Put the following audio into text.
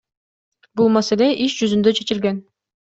Бул маселе иш жүзүндө чечилген.